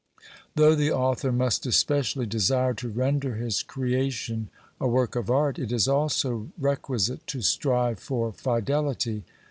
Though the author must especially desire to render his creation a work of art, it is also requisite to strive for fidelity.